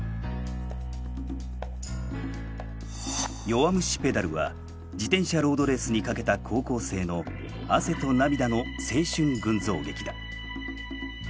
「弱虫ペダル」は「自転車ロードレース」にかけた高校生の汗と涙の青春群像劇だ。